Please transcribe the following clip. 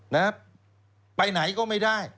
นะครับไปไหนก็ไม่ได้